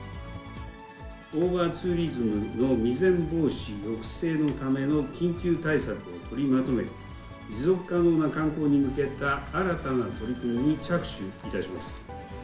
オーバーツーリズムの未然防止抑制のための緊急対策を取りまとめ、持続可能な観光に向けた新たな取り組みに着手いたします。